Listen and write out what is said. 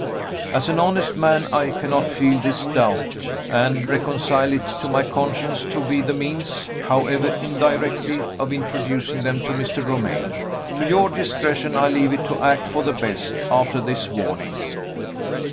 As an honest man, I cannot feel this doubt, and reconcile it to my conscience to be the means, however indirectly, of introducing them to Mr. Romayne. To your discretion I leave it to act for the best, after this warning."